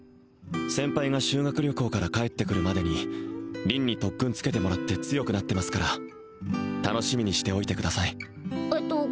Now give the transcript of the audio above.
先輩が修学旅行から帰ってくるまでに凛に特訓つけてもらって強くなってますから楽しみにしておいてくださいえっと